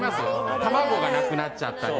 卵がなくなっちゃったり。